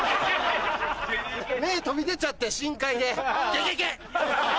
目飛び出ちゃって深海でゲゲゲ！